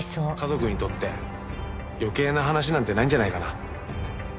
家族にとって余計な話なんてないんじゃないかな。